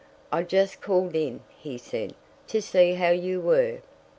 "I just called in," he said, "to see how you were."